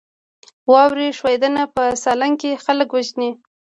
واورې ښویدنه په سالنګ کې خلک وژني؟